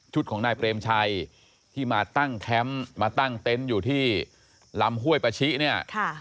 ของนายเปรมชัยที่มาตั้งแคมป์มาตั้งเต็นต์อยู่ที่ลำห้วยปาชิเนี่ย